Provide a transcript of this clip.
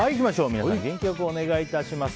皆さん、元気良くお願いします。